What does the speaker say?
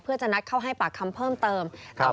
เพื่อจะนัดเข้าให้ปากคำเพิ่มเติม